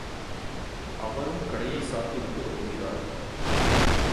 அவரும் கடையைச் சாத்திவிட்டு வருகிறார்.